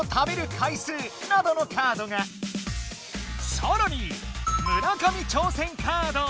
さらに村上挑戦カード！